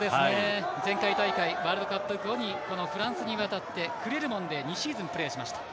前回大会ワールドカップ後にフランスに渡ってクレルモンで２シーズンプレーしました。